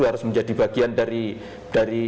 harus menjadi bagian dari